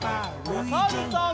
おさるさん。